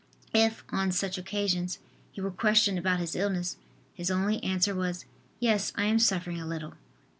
If, on such occasions, he were questioned about his illness his only answer was: "Yes, I am suffering a little."